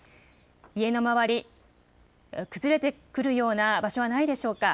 家の周り、崩れてくるような場所はないでしょうか。